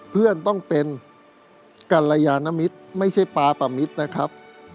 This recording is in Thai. เพื่อนต้องเป็นกัลยานมิตรไม่ใช่ปาปะมิตรนะครับ